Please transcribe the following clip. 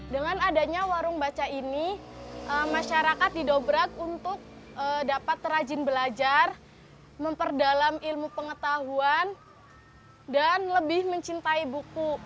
dengan adanya warung baca ini masyarakat didobrak untuk dapat terajin belajar memperdalam ilmu pengetahuan dan lebih mencintai buku